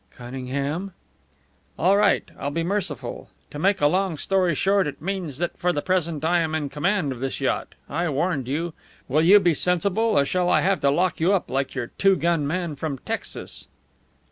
"Cunningham " "All right, I'll be merciful. To make a long story short, it means that for the present I am in command of this yacht. I warned you. Will you be sensible, or shall I have to lock you up like your two gun man from Texas?"